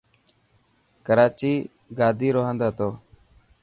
ڪراچي گادي رو هند هتو.